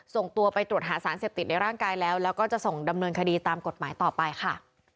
ส่งตัวไปตรวจหาสารเสพติดในร่างกายแล้วแล้วก็จะส่งดำเนินคดีตามกฎหมายต่อไปค่ะ